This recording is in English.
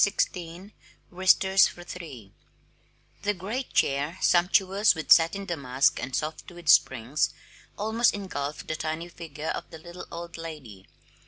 J. D. DARLING Wristers for Three The great chair, sumptuous with satin damask and soft with springs, almost engulfed the tiny figure of the little old lady.